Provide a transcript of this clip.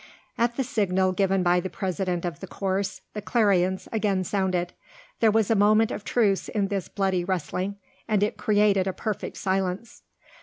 At the signal given by the president of the course, the clarions again sounded. There was a moment of truce in this bloody wrestling, and it created a perfect silence.